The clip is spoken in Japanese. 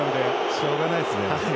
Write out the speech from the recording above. しょうがないですね。